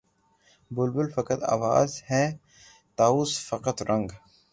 بلبل فقط آواز ہے طاؤس فقط رنگ